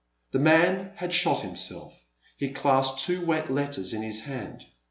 The man had shot himself; he clasped two wet letters in his hand.